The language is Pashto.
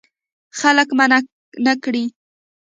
خلک منع نه کړې.